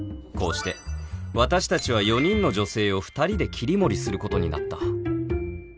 こうして私たちは４人の女性を２人で切り盛りすることになった